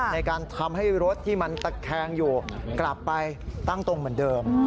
ในการทำให้รถที่มันตะแคงอยู่กลับไปตั้งตรงเหมือนเดิม